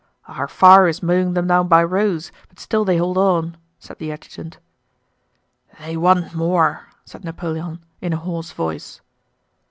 "Our fire is mowing them down by rows, but still they hold on," said the adjutant. "They want more!..." said Napoleon in a hoarse voice.